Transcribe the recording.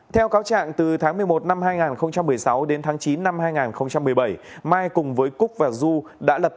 theo cáo trạng từ tháng một mươi một năm hai nghìn một mươi sáu đến tháng chín năm hai nghìn một mươi bảy mai cùng với cúc và du đã lập